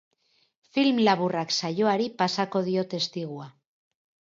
Film laburrak saioari pasako dio testigua.